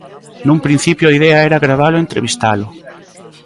Nun principio a idea era gravalo e entrevistalo.